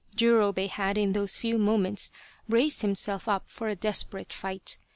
Jurobei had in those few moments braced himself up for a desperate fight.